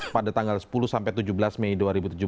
pada tanggal sepuluh sampai tujuh belas mei dua ribu tujuh belas